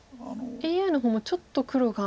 ＡＩの方もちょっと黒が。